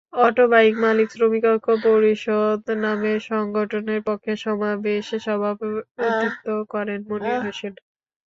Autobike মালিক-শ্রমিক ঐক্য পরিষদ নামের সংগঠনের পক্ষে সমাবেশে সভাপতিত্ব করেন মনির হোসেন।